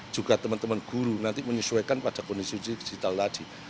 juga teman teman guru nanti menyesuaikan pada kondisi digital tadi